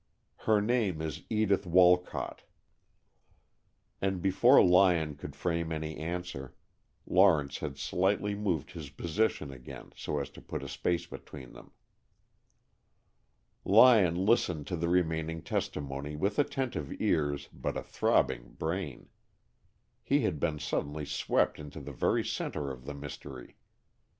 Her name is Edith Wolcott." And before Lyon could frame any answer, Lawrence had slightly moved his position again, so as to put a space between them. Lyon listened to the remaining testimony with attentive ears but a throbbing brain. He had been suddenly swept into the very center of the mystery.